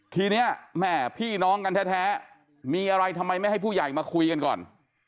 ทีนี้แม่พี่น้องกันแท้มีอะไรทำไมไม่ให้ผู้ใหญ่มาคุยกันก่อน